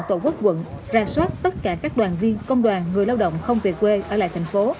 tổ quốc quận ra soát tất cả các đoàn viên công đoàn người lao động không về quê ở lại thành phố